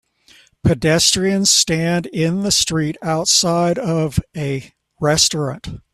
Pedestrians stand in the street outside of a restaurant